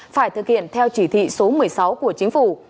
phải thực hiện theo chỉ thị số một mươi sáu của chính phủ